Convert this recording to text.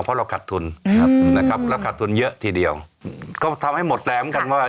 เพราะเราขัดทุนครับนะครับเราขาดทุนเยอะทีเดียวก็ทำให้หมดแรงเหมือนกันว่า